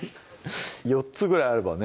４つぐらいあればね